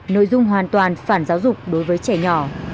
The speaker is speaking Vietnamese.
nội dung hoàn toàn phản giáo dục đối với trẻ nhỏ